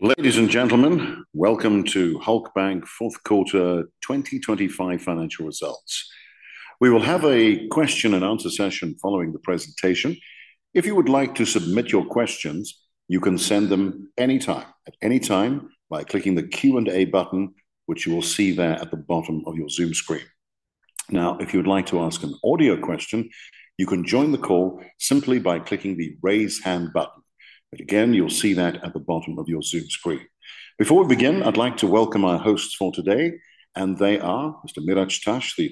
Ladies and gentlemen, welcome to Halkbank fourth quarter 2025 financial results. We will have a question and answer session following the presentation. If you would like to submit your questions, you can send them anytime by clicking the Q and A button which you will see there at the bottom of your Zoom screen. If you would like to ask an audio question, you can join the call simply by clicking the raise hand button. Again, you'll see that at the bottom of your Zoom screen. Before we begin, I'd like to welcome our hosts for today. They are Mr. Miraç Taş, the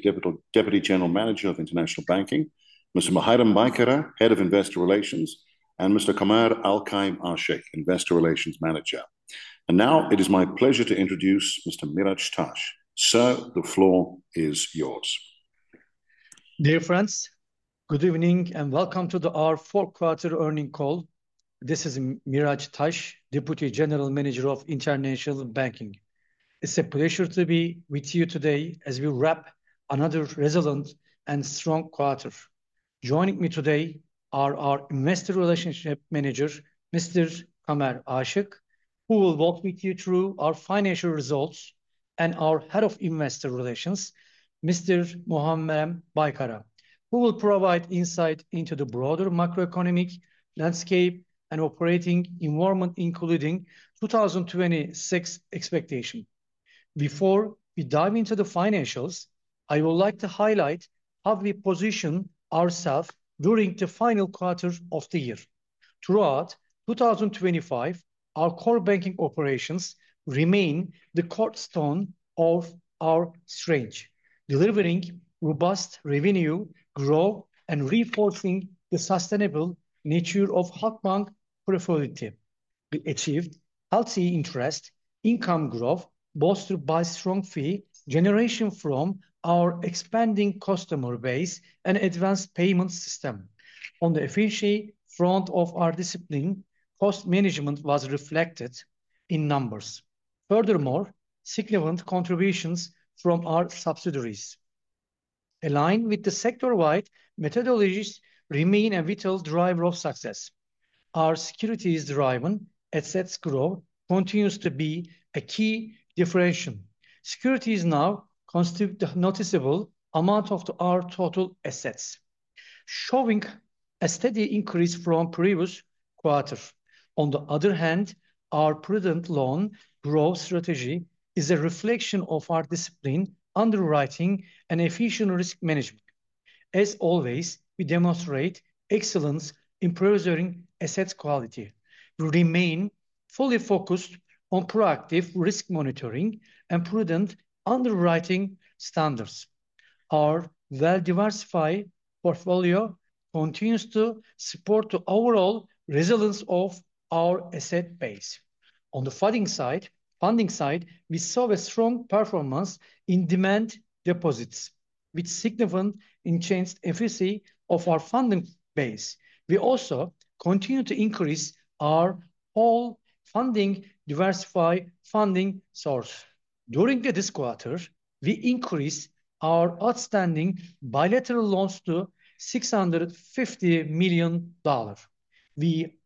Deputy General Manager of International Banking; Mr. Muharrem Baykara, Head of Investor Relations; and Mr. Kubilay Alkım Ayaz, Investor Relations Manager. Now it is my pleasure to introduce Mr. Miraç Taş. Sir, the floor is yours. Dear friends, good evening, welcome to our fourth quarter earnings call. This is Miraç Taş, Deputy General Manager of International Banking. It's a pleasure to be with you today as we wrap another resilient and strong quarter. Joining me today are our Investor Relations Manager, Mr. Kubilay Alkım Ayaz, who will walk with you through our financial results, and our Head of Investor Relations, Mr. Muharrem Baykara, who will provide insight into the broader macroeconomic landscape and operating environment, including 2026 expectations. Before we dive into the financials, I would like to highlight how we position ourselves during the final quarter of the year. Throughout 2025, our core banking operations remain the cornerstone of our strength, delivering robust revenue growth and reinforcing the sustainable nature of Halkbank profitability. We achieved healthy interest income growth boosted by strong fee generation from our expanding customer base and advanced payment system. On the efficiency front of our discipline, cost management was reflected in numbers. Significant contributions from our subsidiaries aligned with the sector-wide methodologies remain a vital driver of success. Our securities-driven assets growth continues to be a key differentiation. Securities now constitute a noticeable amount of the our total assets, showing a steady increase from previous quarter. Our prudent loan growth strategy is a reflection of our discipline underwriting and efficient risk management. As always, we demonstrate excellence in preserving asset quality. We remain fully focused on proactive risk monitoring and prudent underwriting standards. Our well-diversified portfolio continues to support the overall resilience of our asset base. On the funding side, we saw a strong performance in demand deposits, which significant enhanced efficiency of our funding base. We also continue to increase our whole funding diversify funding source. During this quarter, we increased our outstanding bilateral loans to $650 million. We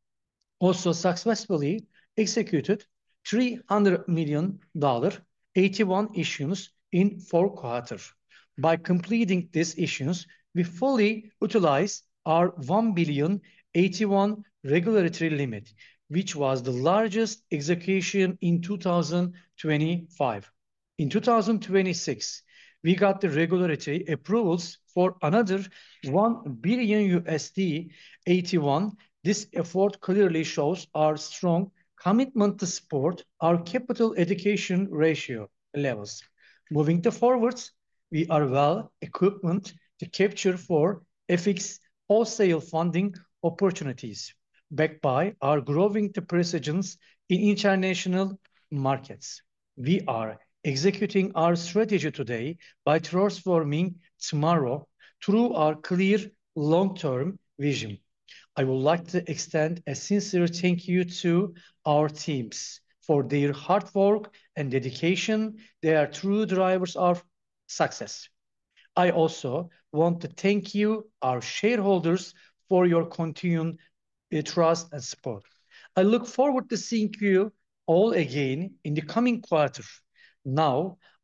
also successfully executed $300 million AT1 issuance in four quarters. By completing these issuance, we fully utilize our $1 billion AT1 regulatory limit, which was the largest execution in 2025. In 2026, we got the regulatory approvals for another $1 billion USD AT1. This effort clearly shows our strong commitment to support our capital adequacy ratio levels. Moving the forwards, we are well-equipped to capture for FX wholesale funding opportunities backed by our growing presence in international markets. We are executing our strategy today by transforming tomorrow through our clear long-term vision. I would like to extend a sincere thank you to our teams for their hard work and dedication. They are true drivers of success. I also want to thank you, our shareholders, for your continued trust and support. I look forward to seeing you all again in the coming quarters.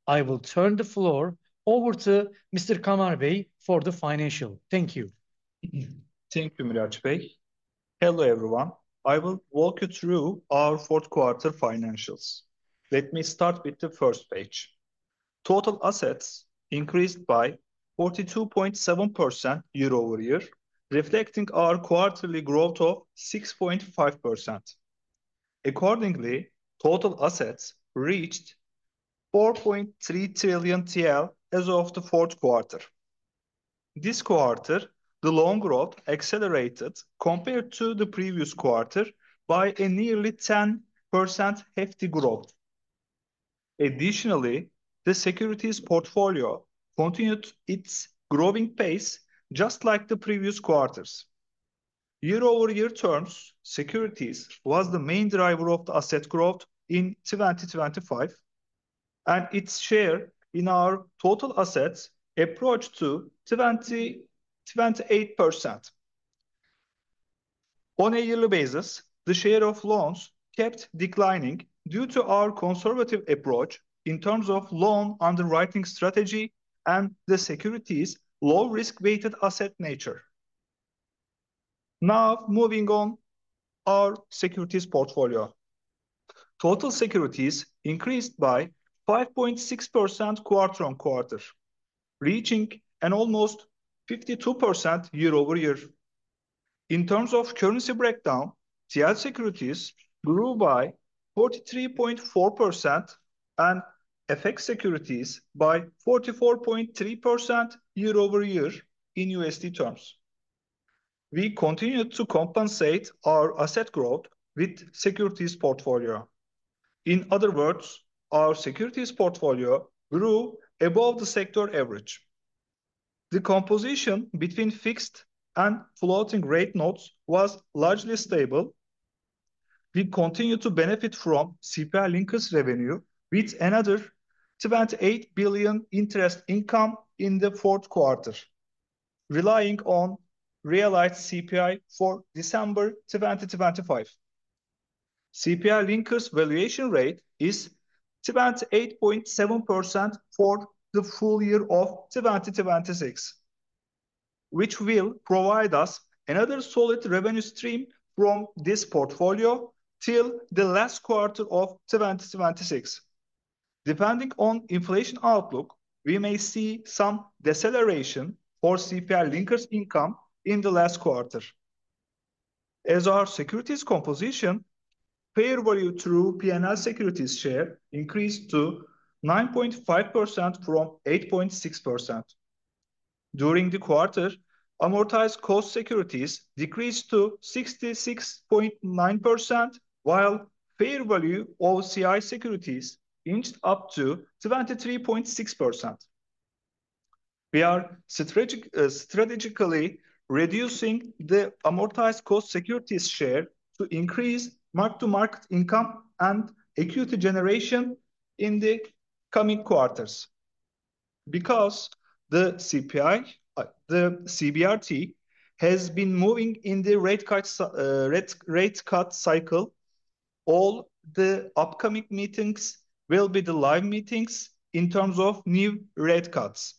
I will turn the floor over to Mr. Kubilay Alkım Ayaz for the financial. Thank you. Thank you, Miraç Taş. Hello, everyone. I will walk you through our Q4 financials. Let me start with the first page. Total assets increased by 42.7% year-over-year, reflecting our quarterly growth of 6.5%. Accordingly, total assets reached 4.3 trillion TL as of the Q4. This quarter, the loan growth accelerated compared to the previous quarter by a nearly 10% hefty growth. Additionally, the securities portfolio continued its growing pace just like the previous quarters. Year-over-year terms, securities was the main driver of the asset growth in 2025, and its share in our total assets approached to 20-28%. On a yearly basis, the share of loans kept declining due to our conservative approach in terms of loan underwriting strategy, and the securities low risk-weighted asset nature. Now moving on our securities portfolio. Total securities increased by 5.6% quarter-on-quarter, reaching an almost 52% year-over-year. In terms of currency breakdown, TL securities grew by 43.4% and FX securities by 44.3% year-over-year in USD terms. We continued to compensate our asset growth with securities portfolio. In other words, our securities portfolio grew above the sector average. The composition between fixed and floating rate notes was largely stable. We continue to benefit from CPI linkers revenue with another 28 billion interest income in the fourth quarter, relying on realized CPI for December 2025. CPI linkers valuation rate is 28.7% for the full year of 2026, which will provide us another solid revenue stream from this portfolio till the last quarter of 2026. Depending on inflation outlook, we may see some deceleration for CPI linkers income in the last quarter. Our securities composition, fair value through P&L securities share increased to 9.5% from 8.6%. During the quarter, amortized cost securities decreased to 66.9%, while fair value OCI securities inched up to 23.6%. We are strategic, strategically reducing the amortized cost securities share to increase mark-to-market income and liquidity generation in the coming quarters. The CPI, the CBRT has been moving in the rate cut cycle, all the upcoming meetings will be the live meetings in terms of new rate cuts.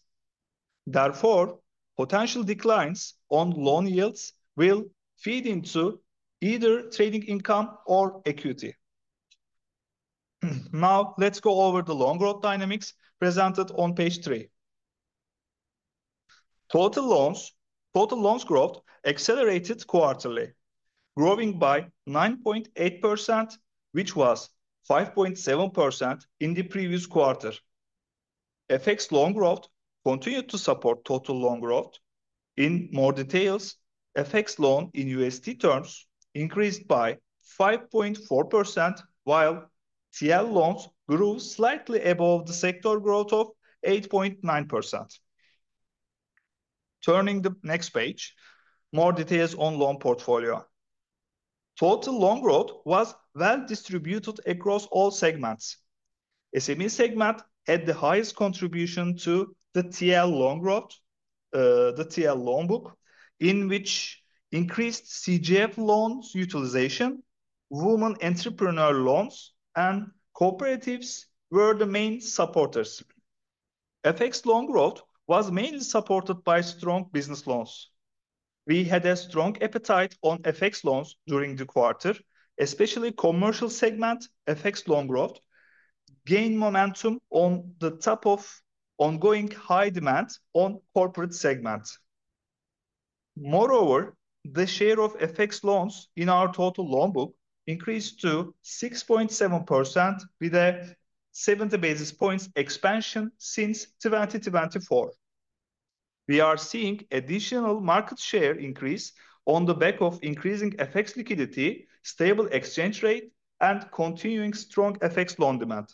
Therefore, potential declines on loan yields will feed into either trading income or liquidity. Now let's go over the loan growth dynamics presented on page three. Total loans growth accelerated quarterly, growing by 9.8%, which was 5.7% in the previous quarter. FX loan growth continued to support total loan growth. In more details, FX loan in USD terms increased by 5.4%, while TL loans grew slightly above the sector growth of 8.9%. Turning the next page, more details on loan portfolio. Total loan growth was well distributed across all segments. SME segment had the highest contribution to the TL loan growth, the TL loan book, in which increased CGF loans utilization, woman entrepreneur loans, and cooperatives were the main supporters. FX loan growth was mainly supported by strong business loans. We had a strong appetite on FX loans during the quarter, especially commercial segment FX loan growth gained momentum on the top of ongoing high demand on corporate segment. Moreover, the share of FX loans in our total loan book increased to 6.7% with a 70 basis points expansion since 2024. We are seeing additional market share increase on the back of increasing FX liquidity, stable exchange rate, and continuing strong FX loan demand.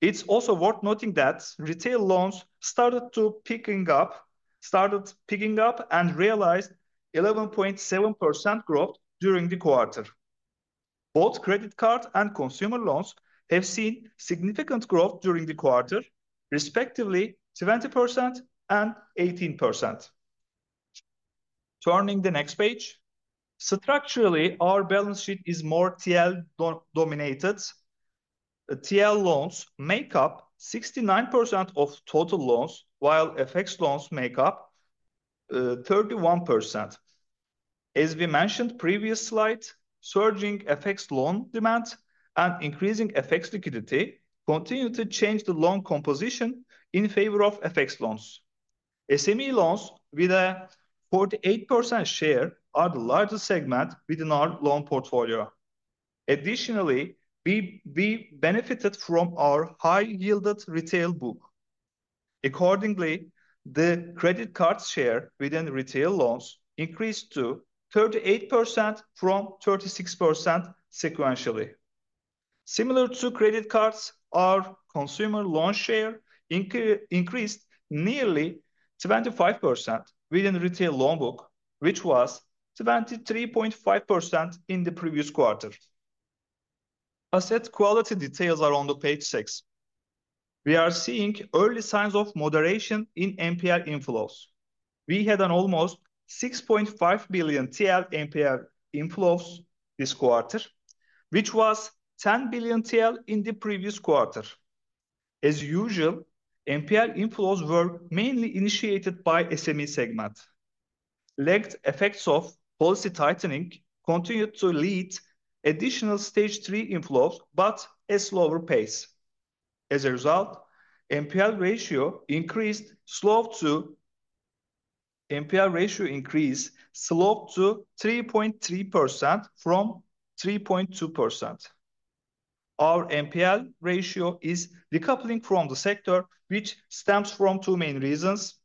It's also worth noting that retail loans started picking up and realized 11.7% growth during the quarter. Both credit card and consumer loans have seen significant growth during the quarter, respectively, 20% and 18%. Turning the next page. Structurally, our balance sheet is more TL denominated. TL loans make up 69% of total loans, while FX loans make up 31%. As we mentioned previous slide, surging FX loan demand and increasing FX liquidity continue to change the loan composition in favor of FX loans. SME loans with a 48% share are the largest segment within our loan portfolio. Additionally, we benefited from our high-yielded retail book. Accordingly, the credit card share within retail loans increased to 38% from 36% sequentially. Similar to credit cards, our consumer loan share increased nearly 25% within retail loan book, which was 23.5% in the previous quarter. Asset quality details are on the page six. We are seeing early signs of moderation in NPL inflows. We had an almost 6.5 billion TL NPL inflows this quarter, which was 10 billion TL in the previous quarter. As usual, NPL inflows were mainly initiated by SME segment. Lagged effects of policy tightening continued to lead additional Stage 3 inflows but a slower pace. As a result, NPL ratio increased slowed to 3.3% from 3.2%. Our NPL ratio is decoupling from the sector, which stems from two main reasons.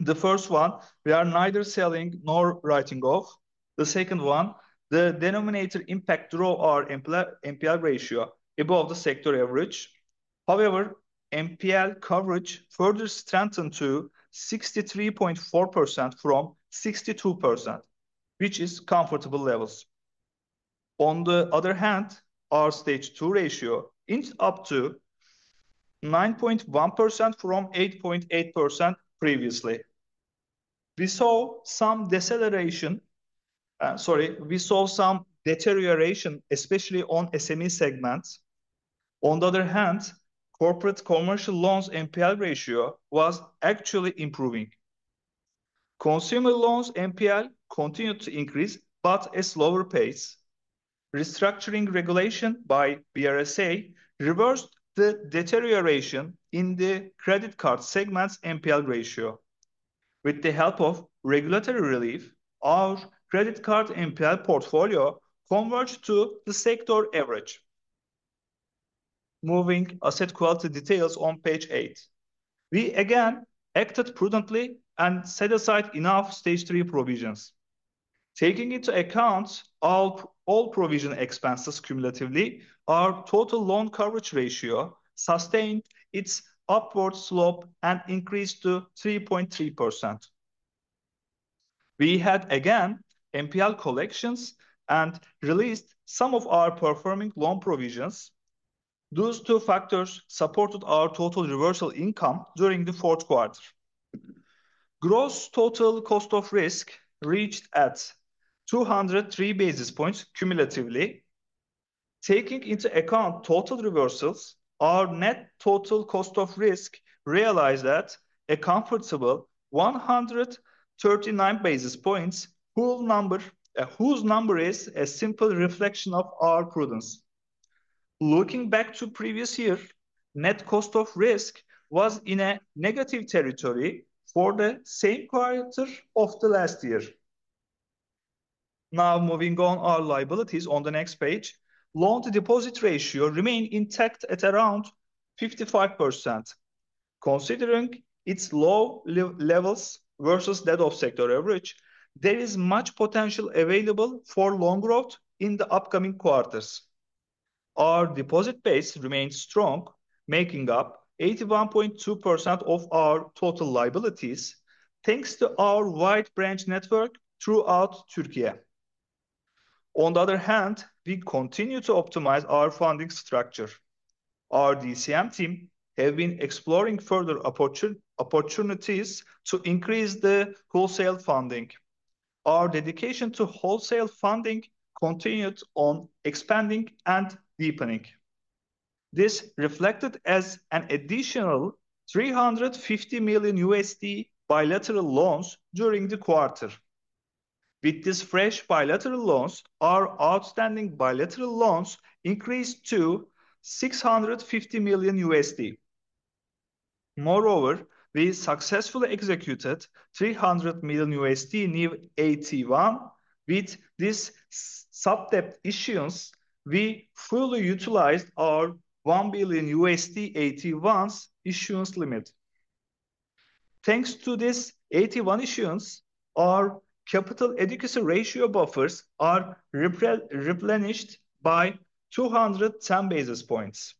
The first one, we are neither selling nor writing off. The second one, the denominator impact draw our NPL ratio above the sector average. NPL coverage further strengthened to 63.4% from 62%, which is comfortable levels. Our Stage 2 ratio inched up to 9.1% from 8.8% previously. We saw some deterioration, especially on SME segments. Corporate commercial loans NPL ratio was actually improving. Consumer loans NPL continued to increase but a slower pace. Restructuring regulation by BRSA reversed the deterioration in the credit card segment's NPL ratio. With the help of regulatory relief, our credit card NPL portfolio converged to the sector average. Moving asset quality details on page eight. We again acted prudently and set aside enough Stage 3 provisions. Taking into account all provision expenses cumulatively, our total loan coverage ratio sustained its upward slope and increased to 3.3%. We had again NPL collections and released some of our performing loan provisions. Those two factors supported our total reversal income during the fourth quarter. Gross total cost of risk reached at 203 basis points cumulatively. Taking into account total reversals, our net total cost of risk realized at a comfortable 139 basis points whose number is a simple reflection of our prudence. Looking back to previous year, net cost of risk was in a negative territory for the same quarter of the last year. Moving on our liabilities on the next page. loan-to-deposit ratio remained intact at around 55%. Considering its low levels versus that of sector average, there is much potential available for loan growth in the upcoming quarters. Our deposit base remains strong, making up 81.2% of our total liabilities, thanks to our wide branch network throughout Türkiye. We continue to optimize our funding structure. Our DCM team have been exploring further opportunities to increase the wholesale funding. Our dedication to wholesale funding continued on expanding and deepening. This reflected as an additional $350 million bilateral loans during the quarter. With these fresh bilateral loans, our outstanding bilateral loans increased to $650 million. Moreover, we successfully executed $300 million new AT1. With this subdebt issuance, we fully utilized our $1 billion AT1's issuance limit. Thanks to this AT1 issuance, our capital adequacy ratio buffers are replenished by 210 basis points.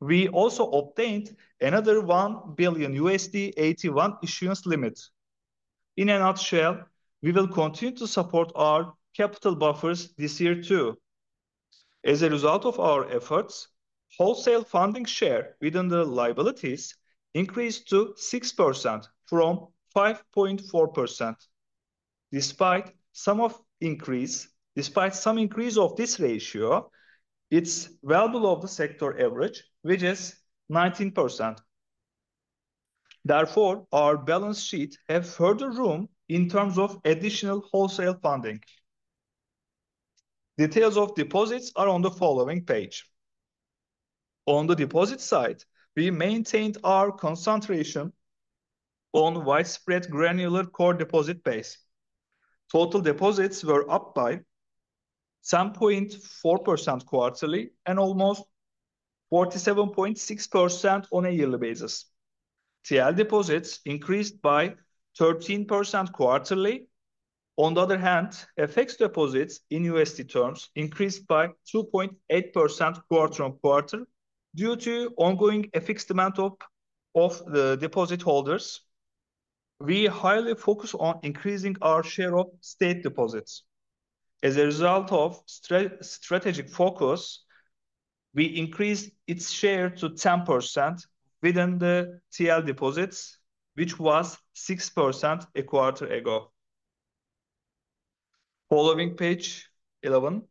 We also obtained another $1 billion AT1 issuance limit. In a nutshell, we will continue to support our capital buffers this year too. As a result of our efforts, wholesale funding share within the liabilities increased to 6% from 5.4%. Despite some increase of this ratio, it's well below the sector average, which is 19%. Therefore, our balance sheet have further room in terms of additional wholesale funding. Details of deposits are on the following page. On the deposit side, we maintained our concentration on widespread granular core deposit base. Total deposits were up by some 0.4% quarterly and almost 47.6% on a yearly basis. TL deposits increased by 13% quarterly. On the other hand, FX deposits in USD terms increased by 2.8% quarter-on-quarter due to ongoing FX demand of the deposit holders. We highly focus on increasing our share of state deposits. As a result of strategic focus, we increased its share to 10% within the TL deposits, which was 6% a quarter ago. Following page 11.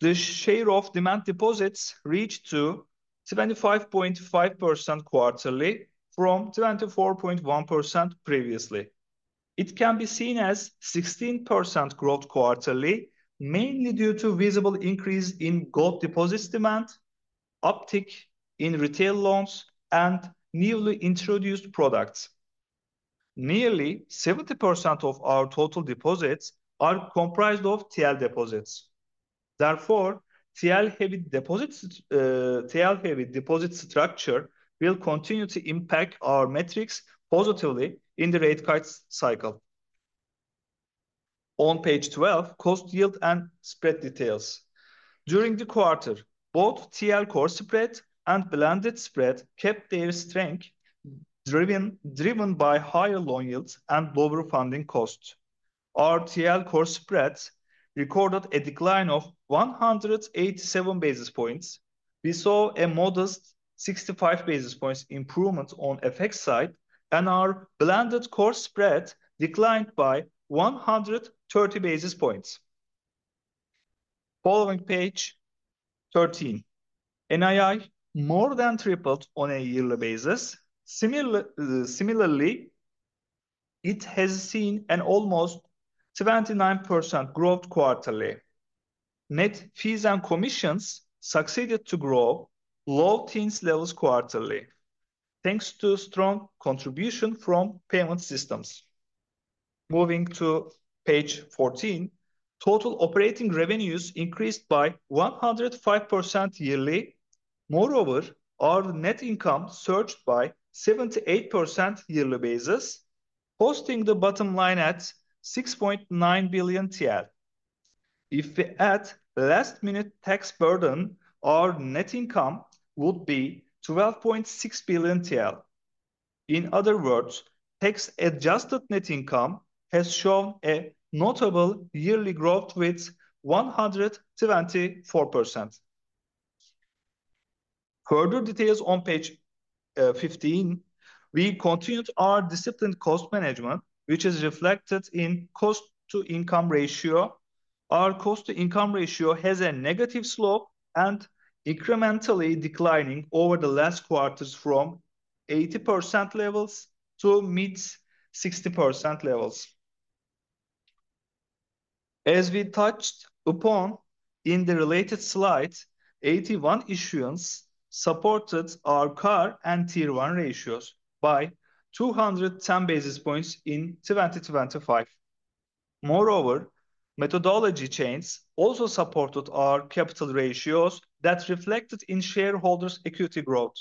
The share of demand deposits reached to 75.5% quarterly from 74.1% previously. It can be seen as 16% growth quarterly, mainly due to visible increase in gold deposits demand, uptick in retail loans, and newly introduced products. Nearly 70% of our total deposits are comprised of TL deposits. Therefore, TL-heavy deposits, TL-heavy deposit structure will continue to impact our metrics positively in the rate cuts cycle. On page 12, cost yield and spread details. During the quarter, both TL core spread and blended spread kept their strength, driven by higher loan yields and lower funding costs. Our TL core spreads recorded a decline of 187 basis points. We saw a modest 65 basis points improvement on FX side, and our blended core spread declined by 130 basis points. Following page 13. NII more than tripled on a yearly basis. Similarly, it has seen an almost 79% growth quarterly. Net fees and commissions succeeded to grow low teens levels quarterly, thanks to strong contribution from payment systems. Moving to page 14. Total operating revenues increased by 105% yearly. Moreover, our net income surged by 78% yearly basis, hosting the bottom line at 6.9 billion TL. If we add last minute tax burden, our net income would be 12.6 billion TL. In other words, tax-adjusted net income has shown a notable yearly growth with 124%. Further details on page 15. We continued our disciplined cost management, which is reflected in cost-to-income ratio. Our cost-to-income ratio has a negative slope and incrementally declining over the last quarters from 80% levels to mid-60% levels. As we touched upon in the related slide, AT-1 issuance supported our CAR and Tier 1 ratios by 210 basis points in 2025. Moreover, methodology chains also supported our capital ratios that reflected in shareholders' equity growth.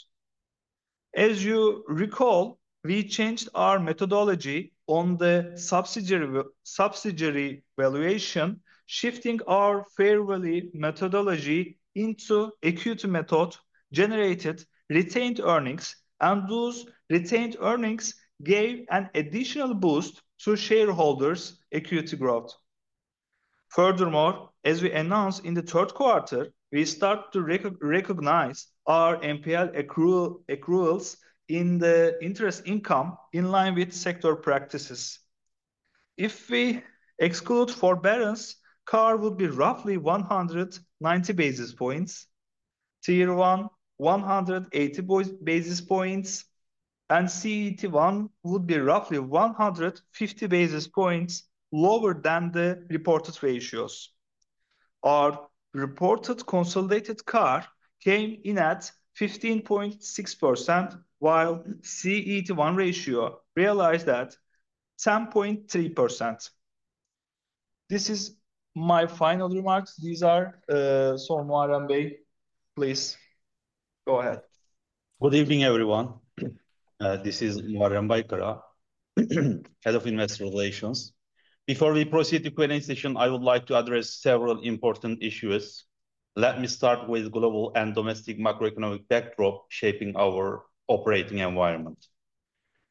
As you recall, we changed our methodology on the subsidiary valuation, shifting our fair value methodology into equity method generated retained earnings, and those retained earnings gave an additional boost to shareholders' equity growth. Furthermore, as we announced in the third quarter, we start to recognize our NPL accruals in the interest income in line with sector practices. If we exclude forbearance, CAR would be roughly 190 basis points, Tier 1 180 basis points, and CET1 would be roughly 150 basis points lower than the reported ratios. Our reported consolidated CAR came in at 15.6%, while CET1 ratio realized at 7.3%. This is my final remarks. These are, Muharrem Baykara, please go ahead. Good evening, everyone. This is Muharrem Baykara, Head of Investor Relations. Before we proceed to Q and A session, I would like to address several important issues. Let me start with global and domestic macroeconomic backdrop shaping our operating environment.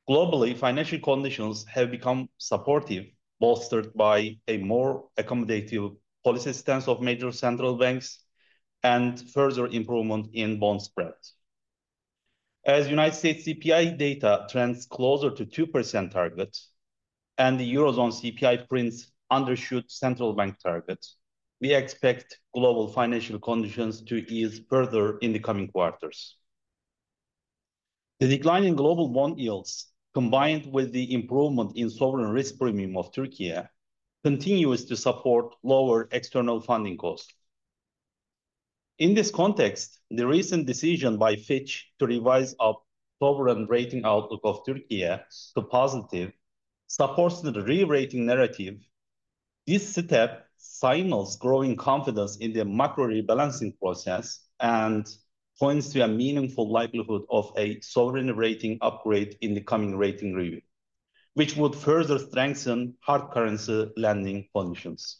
Globally, financial conditions have become supportive, bolstered by a more accommodative policy stance of major central banks and further improvement in bond spreads. As United States CPI data trends closer to 2% targets, and the Eurozone CPI prints undershoot central bank targets, we expect global financial conditions to ease further in the coming quarters. The decline in global bond yields, combined with the improvement in sovereign risk premium of Turkey, continues to support lower external funding costs. In this context, the recent decision by Fitch to revise up sovereign rating outlook of Turkey to positive supports the re-rating narrative. This step signals growing confidence in the macro rebalancing process, and points to a meaningful likelihood of a sovereign rating upgrade in the coming rating review, which would further strengthen hard currency lending conditions.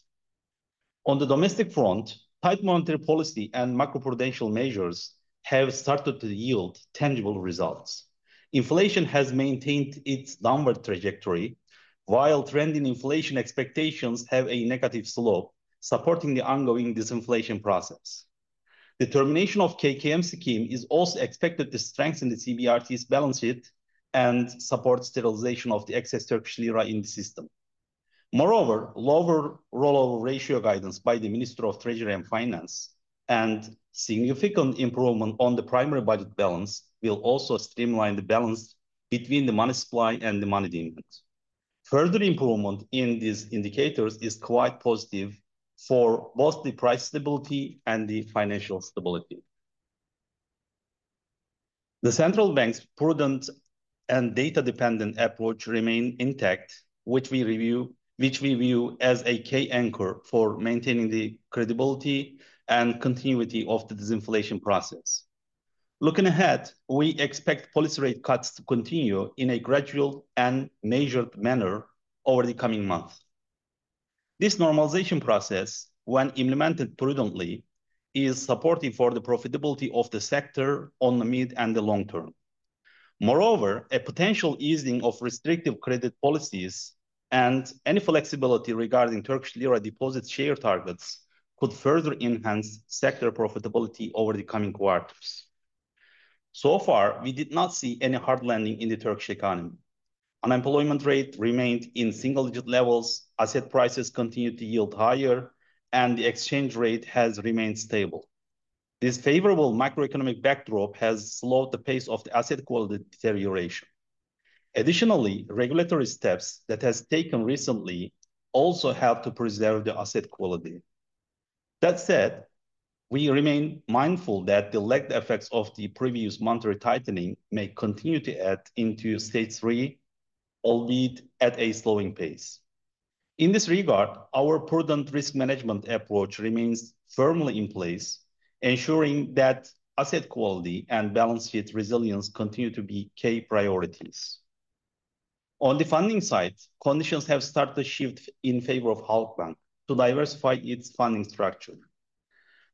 On the domestic front, tight monetary policy and macro-prudential measures have started to yield tangible results. Inflation has maintained its downward trajectory while trending inflation expectations have a negative slope, supporting the ongoing disinflation process. The termination of KKM scheme is also expected to strengthen the CBRT's balance sheet and support sterilization of the excess Turkish lira in the system. Moreover, lower roll-over ratio guidance by the Minister of Treasury and Finance, and significant improvement on the primary budget balance will also streamline the balance between the money supply and the money demands. Further improvement in these indicators is quite positive for both the price stability and the financial stability. The central bank's prudent and data-dependent approach remain intact, which we view as a key anchor for maintaining the credibility and continuity of the disinflation process. Looking ahead, we expect policy rate cuts to continue in a gradual and measured manner over the coming months. This normalization process, when implemented prudently, is supportive for the profitability of the sector on the mid and the long term. A potential easing of restrictive credit policies and any flexibility regarding Turkish lira deposit share targets could further enhance sector profitability over the coming quarters. We did not see any hard landing in the Turkish economy. Unemployment rate remained in single-digit levels, asset prices continued to yield higher, and the exchange rate has remained stable. This favorable macroeconomic backdrop has slowed the pace of the asset quality deterioration. Additionally, regulatory steps that has taken recently also help to preserve the asset quality. That said, we remain mindful that the lagged effects of the previous monetary tightening may continue to add into Stage 3, albeit at a slowing pace. In this regard, our prudent risk management approach remains firmly in place, ensuring that asset quality and balance sheet resilience continue to be key priorities. On the funding side, conditions have started to shift in favor of Halkbank to diversify its funding structure.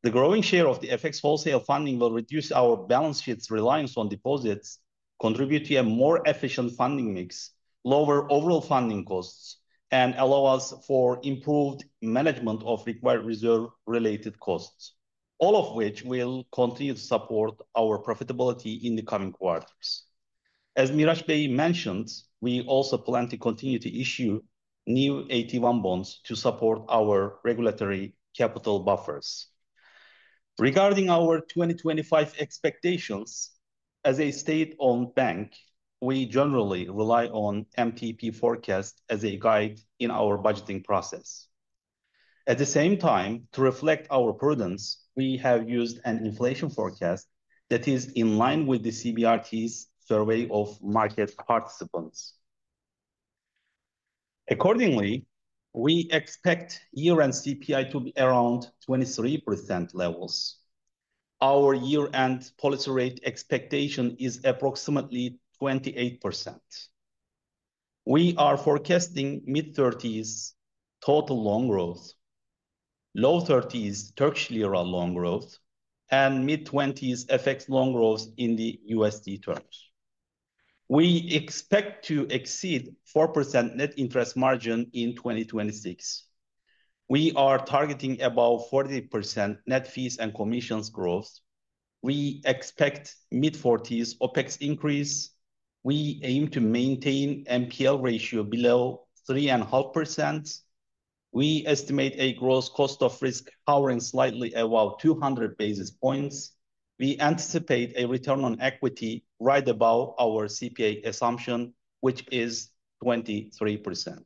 The growing share of the FX wholesale funding will reduce our balance sheet's reliance on deposits, contribute to a more efficient funding mix, lower overall funding costs, and allow us for improved management of required reserve related costs. All of which will continue to support our profitability in the coming quarters. As Miraç Taş mentioned, we also plan to continue to issue new AT1 bonds to support our regulatory capital buffers. Regarding our 2025 expectations, as a state-owned bank, we generally rely on MTP forecast as a guide in our budgeting process. At the same time, to reflect our prudence, we have used an inflation forecast that is in line with the CBRT's survey of market participants. Accordingly, we expect year-end CPI to be around 23% levels. Our year-end policy rate expectation is approximately 28%. We are forecasting mid-30s total loan growth, low 30s Turkish lira loan growth, and mid-20s FX loan growth in the USD terms. We expect to exceed 4% net interest margin in 2026. We are targeting above 40% net fees and commissions growth. We expect mid-40s OpEx increase. We aim to maintain NPL ratio below 3.5%. We estimate a gross cost of risk hovering slightly above 200 basis points. We anticipate a return on equity right above our CPI assumption, which is 23%.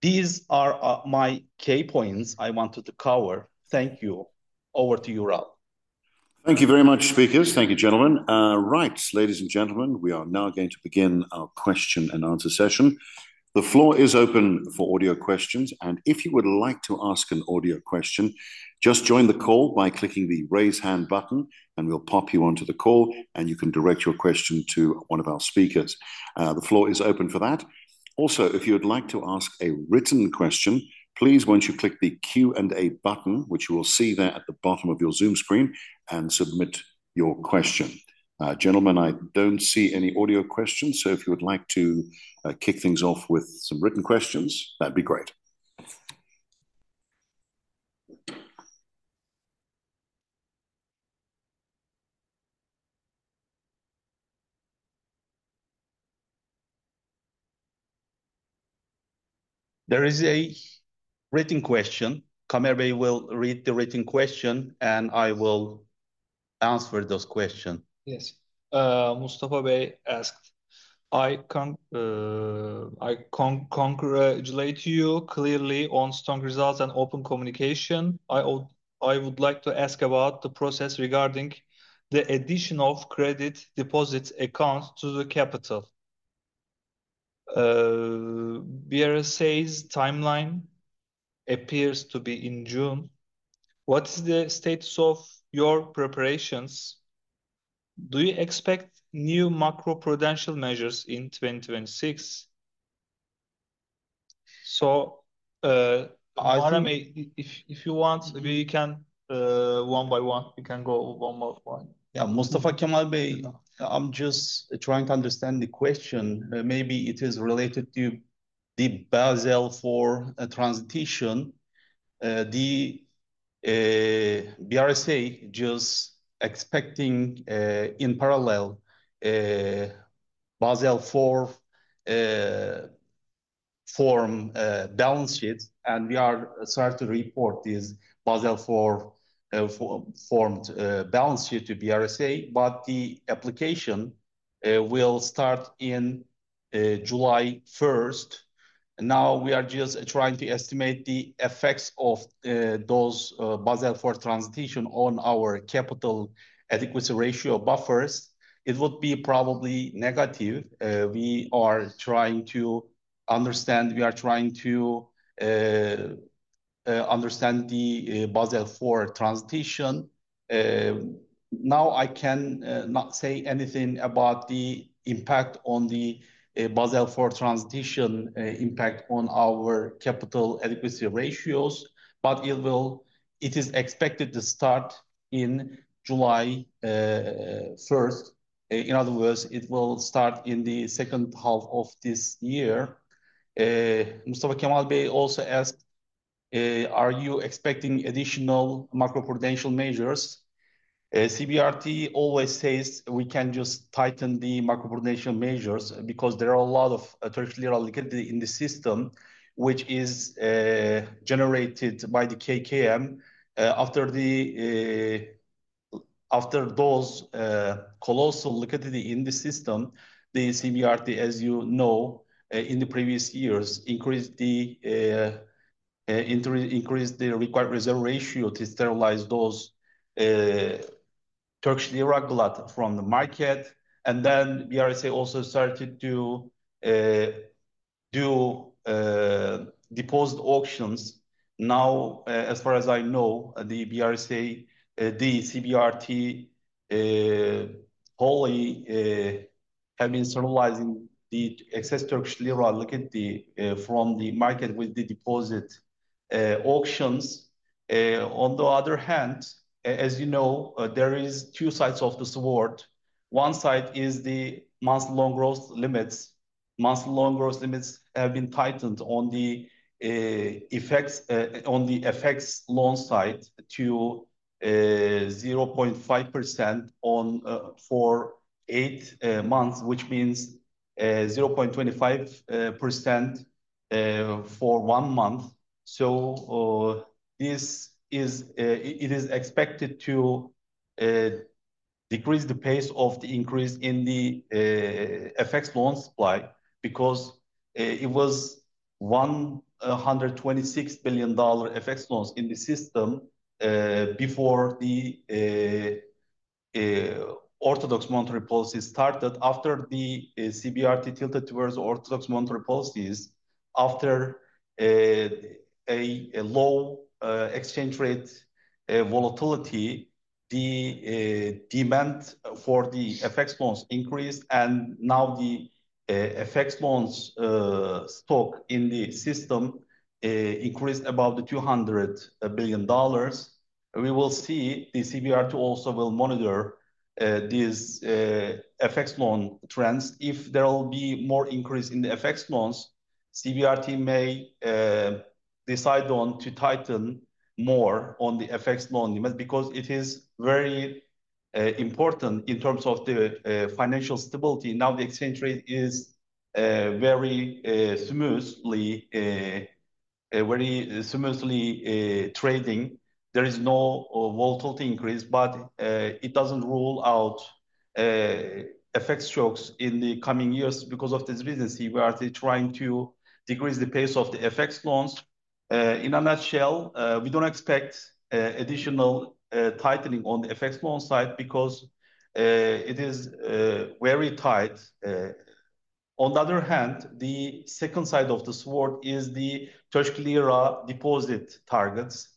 These are my key points I wanted to cover. Thank you. Over to you, Ralph. Thank you very much, speakers. Thank you, gentlemen. Right, ladies and gentlemen, we are now going to begin our question-and-answer session. The floor is open for audio questions, and if you would like to ask an audio question, just join the call by clicking the raise hand button, and we'll pop you onto the call, and you can direct your question to one of our speakers. The floor is open for that. If you would like to ask a written question, please why don't you click the Q and A button, which you will see there at the bottom of your Zoom screen, and submit your question. Gentlemen, I don't see any audio questions, so if you would like to kick things off with some written questions, that'd be great. There is a written question. Kubilay Alkım Ayaz will read the written question. I will answer those question. Yes. Mustafa Bey asked, "I congratulate you clearly on strong results and open communication. I would like to ask about the process regarding the addition of credit deposits accounts to the capital. BRSA's timeline appears to be in June. What's the status of your preparations? Do you expect new macroprudential measures in 2026? I think- If you want, we can one by one. We can go one by one. Kemal Bey, I'm just trying to understand the question. Maybe it is related to the Basel IV transition. The BRSA is just expecting, in parallel, a Basel IV-formed balance sheet, and we are starting to report this Basel IV-formed balance sheet to BRSA. But the application will start on July 1st. Now we are just trying to estimate the effects of those Basel IV transition on our capital adequacy ratio buffers. It would be probably negative. We are trying to understand, we are trying to understand the Basel IV transition. Now I cannot say anything about the impact on the Basel IV transition, impact on our capital adequacy ratios, but it will. It is expected to start on July 1st. In other words, it will start in the second half of this year. Mustafa Kemal Bey also asked, "Are you expecting additional macroprudential measures?" CBRT always says we can just tighten the macroprudential measures because there are a lot of Turkish lira liquidity in the system which is generated by the KKM. After the after those colossal liquidity in the system, the CBRT, as you know, in the previous years increased the required reserve ratio to sterilize those Turkish lira glut from the market. BRSA also started to do deposit auctions. As far as I know, the BRSA, the CBRT, only have been sterilizing the excess Turkish lira liquidity from the market with the deposit auctions. On the other hand, as you know, there is two sides of the sword. One side is the month long gross limits. Month long gross limits have been tightened on the effects loan side to 0.5% on for eight months, which means 0.25% for one month. This is it is expected to decrease the pace of the increase in the FX loan supply because it was $126 billion FX loans in the system before the orthodox monetary policy started. After the CBRT tilted towards orthodox monetary policies after a low exchange rate volatility, the demand for the FX loans increased. Now the FX loans stock in the system increased above $200 billion. We will see. The CBRT also will monitor these FX loan trends. If there will be more increase in the FX loans, CBRT may decide on to tighten more on the FX loan limit because it is very important in terms of the financial stability. Now the exchange rate is very smoothly trading. There is no volatility increase, it doesn't rule out FX strokes in the coming years because of this reason. CBRT trying to decrease the pace of the FX loans. In a nutshell, we don't expect additional tightening on the FX loan side because it is very tight. The second side of the sword is the Turkish lira deposit targets.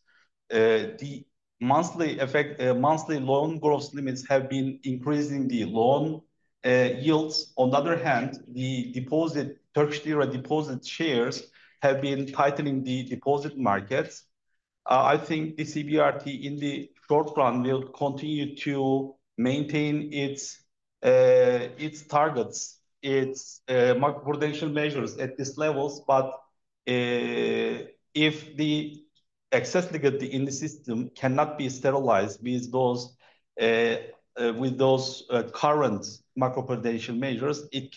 The monthly effect, monthly loan growth limits have been increasing the loan yields. The deposit, Turkish lira deposit shares have been tightening the deposit markets. I think the CBRT in the short run will continue to maintain its its targets, its macroprudential measures at these levels. If the excess liquidity in the system cannot be sterilized with those with those current macroprudential measures, it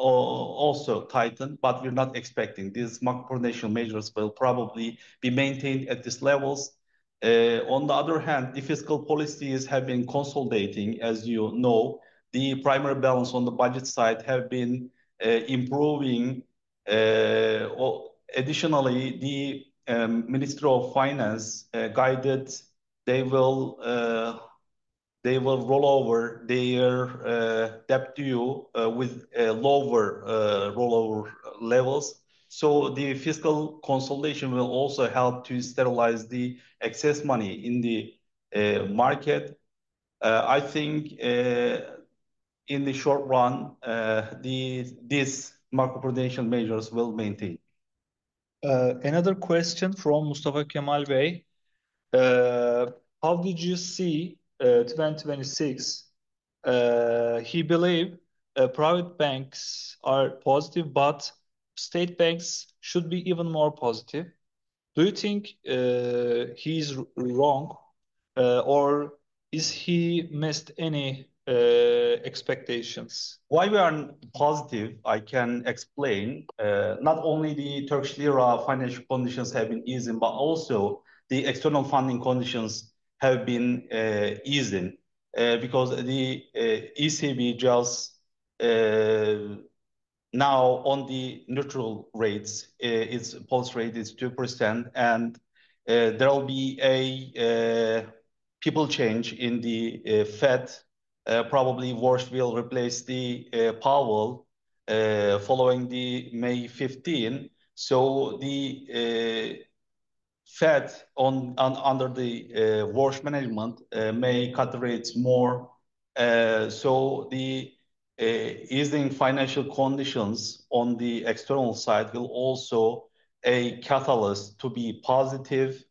can also tighten, but we're not expecting. These macroprudential measures will probably be maintained at these levels. The fiscal policies have been consolidating. As you know, the primary balance on the budget side have been improving. Additionally, the Ministry of Finance guided they will roll over their debt to you with a lower rollover levels. The fiscal consolidation will also help to sterilize the excess money in the market. I think in the short run, the these macroprudential measures will maintain. Another question from Mustafa Kemal Bey. How did you see, 2026? He believe, private banks are positive but state banks should be even more positive. Do you think, he's wrong, or is he missed any, expectations? Why we are positive, I can explain. Not only the Turkish lira financial conditions have been easing, but also the external funding conditions have been easing. Because the ECB just now on the neutral rates, its policy rate is 2% and there will be a people change in the Fed. Probably Warsh will replace Powell following May 15. The Fed under Warsh management may cut rates more. The easing financial conditions on the external side will also a catalyst to be positive.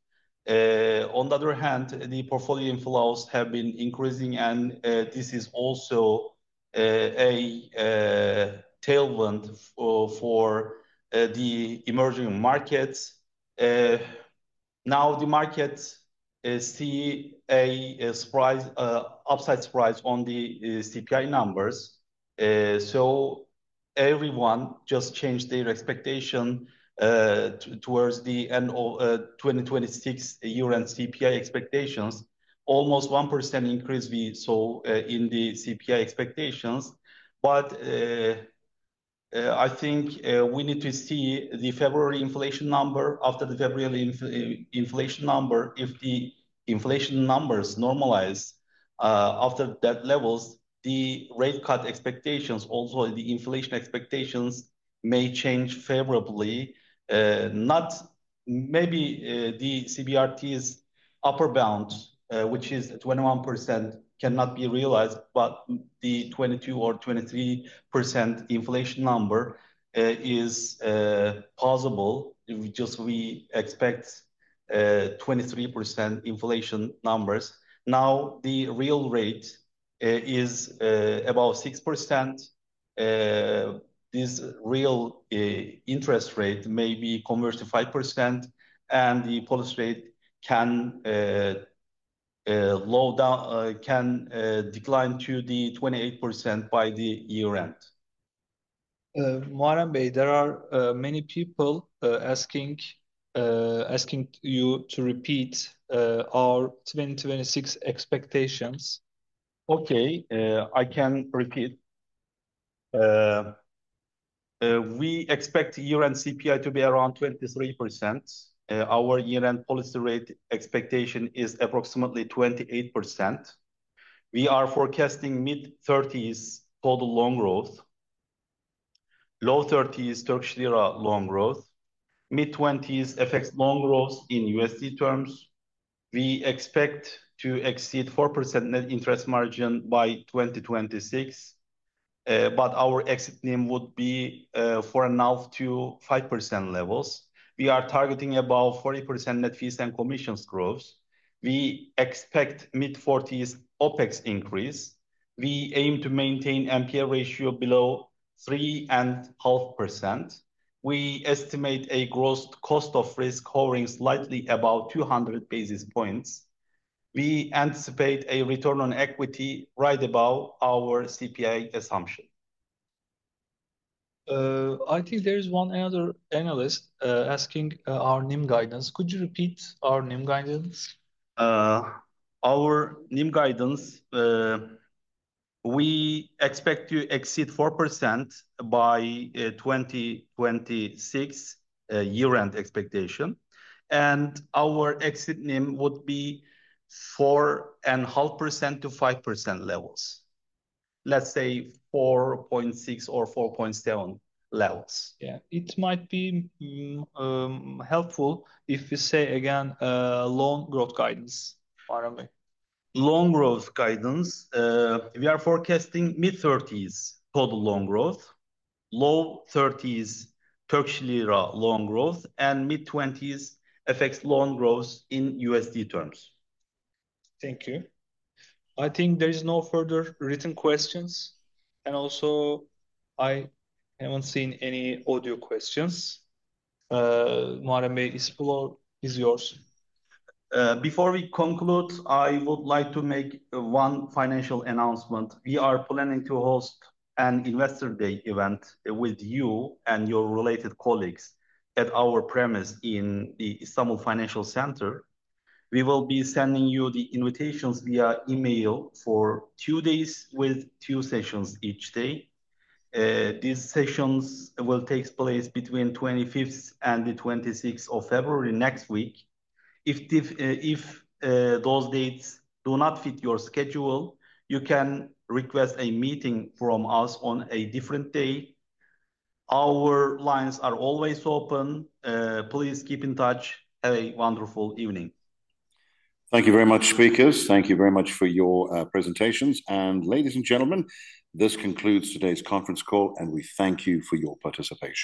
On the other hand, the portfolio inflows have been increasing, and this is also a tailwind for the emerging markets. Now the markets see a surprise upside surprise on the CPI numbers. Everyone just changed their expectation towards the end of 2026 year-end CPI expectations. Almost 1% increase we saw in the CPI expectations. I think we need to see the February inflation number. After the February inflation number, if the inflation numbers normalize after that levels, the rate cut expectations, also the inflation expectations may change favorably. Not maybe, the CBRT's upper bound, which is at 1% cannot be realized, but the 22% or 23% inflation number is possible if just we expect 23% inflation numbers. Now, the real rate is about 6%. This real interest rate may be conversed to 5%, and the policy rate can low down, can decline to the 28% by the year-end. Muharrem Baykara, there are many people asking you to repeat our 2026 expectations. Okay. I can repeat. We expect year-end CPI to be around 23%. Our year-end policy rate expectation is approximately 28%. We are forecasting mid-30s total loan growth, low 30s Turkish lira loan growth, mid-20s FX loan growth in USD terms. We expect to exceed 4% net interest margin by 2026. Our exit NIM would be 4.5%-5% levels. We are targeting above 40% net fees and commissions growth. We expect mid-40s OpEx increase. We aim to maintain NPL ratio below 3.5%. We estimate a gross cost of risk hovering slightly above 200 basis points. We anticipate a return on equity right above our CPI assumption. I think there is one other analyst asking our NIM guidance. Could you repeat our NIM guidance? Our NIM guidance, we expect to exceed 4% by 2026 year-end expectation. Our exit NIM would be four and half percent-5% levels. Let's say 4.6 or 4.7 levels. Yeah. It might be helpful if you say again, loan growth guidance, Muharrem. Loan growth guidance. We are forecasting mid-30s total loan growth, low TRY 30s loan growth, and mid-20s FX loan growth in USD terms. Thank you. I think there is no further written questions. I haven't seen any audio questions. Muharrem Baykara, this floor is yours. Before we conclude, I would like to make one financial announcement. We are planning to host an investor day event with you and your related colleagues at our premise in the Istanbul Financial Center. We will be sending you the invitations via email for two days with two sessions each day. These sessions will takes place between the 25th and the 26th of February next week. If those dates do not fit your schedule, you can request a meeting from us on a different day. Our lines are always open. Please keep in touch. Have a wonderful evening. Thank you very much, speakers. Thank you very much for your presentations. Ladies and gentlemen, this concludes today's conference call, and we thank you for your participation.